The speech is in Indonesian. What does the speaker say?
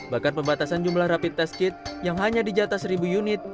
bahkan pembatasan jumlah rapid test kit yang hanya di jatah seribu unit